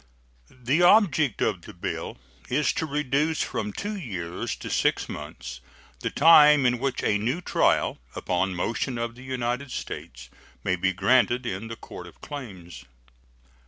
The object of the bill is to reduce from two years to six months the time in which a new trial, upon motion of the United States, may be granted in the Court of Claims.